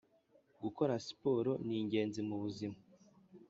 Gukora siporo ni ingenzi mubuzima